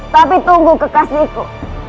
tapi tunggu kekasihku